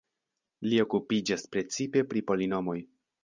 Li okupiĝas precipe pri polinomoj.